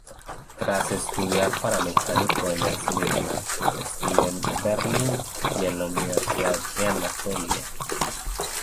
Tras estudiar para mecánico en Esmirna, estudió en Berlín y la Universidad de Anatolia.